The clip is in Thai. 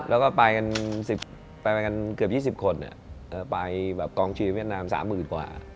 แล้วก็ไปกันไปกันเกือบ๒๐คนไปแบบกองเชียร์เวียดนาม๓๐๐๐กว่า